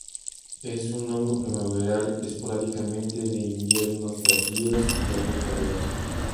Es un hongo primaveral, esporádicamente de inviernos tardíos y algo cálidos.